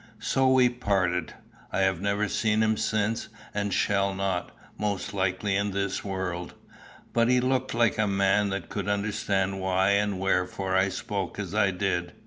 So we parted. I have never seen him since, and shall not, most likely, in this world. But he looked like a man that could understand why and wherefore I spoke as I did.